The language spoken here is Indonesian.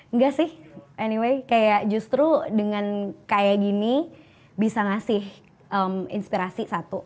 enggak sih anyway kayak justru dengan kayak gini bisa ngasih inspirasi satu